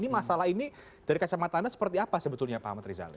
masalah ini dari kacamata anda seperti apa